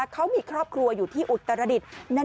เขามีครอบครัวอยู่ที่อุตรดิษฐ์